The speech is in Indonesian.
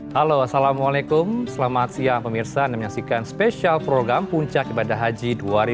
halo assalamualaikum selamat siang pemirsa anda menyaksikan spesial program puncak ibadah haji dua ribu dua puluh